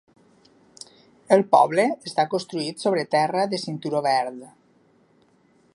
El poble està construït sobre terra de cinturó verd.